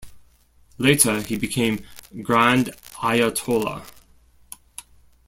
Later he became Grand Ayatollah.